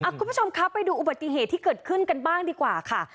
คุณผู้ชมครับไปดูอุบัติเหตุที่เกิดขึ้นกันบ้างดีกว่าค่ะ